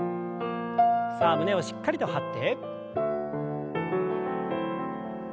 さあ胸をしっかりと張って。